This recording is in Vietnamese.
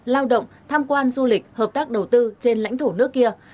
lao động tham quan du lịch hợp tác đầu tư trên lãnh thổ nước kia